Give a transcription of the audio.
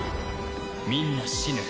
みんな死ぬ。